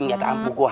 ini gak tampu gua